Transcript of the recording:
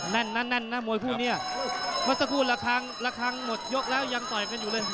นั่นแน่นนะมวยคู่นี้เมื่อสักครู่ละครั้งละครั้งหมดยกแล้วยังต่อยกันอยู่เลย